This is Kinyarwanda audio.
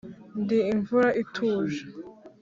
ndi imvura ituje.